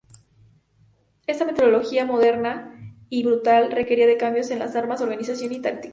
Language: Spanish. Esta metodología moderna y brutal requería de cambios en las armas, organización y tácticas.